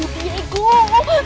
itu loh yang membunuh diego